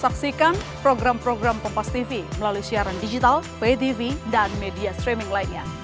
kompas tv melalui siaran digital vtv dan media streaming lainnya